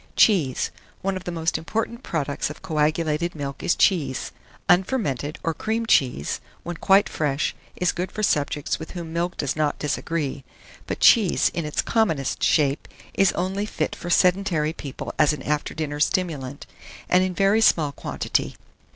CHEESE. One of the most important products of coagulated milk is cheese. Unfermented, or cream cheese, when quite fresh, is good for subjects with whom milk does not disagree; but cheese, in its commonest shape, is only fit for sedentary people as an after dinner stimulant, and in very small quantity.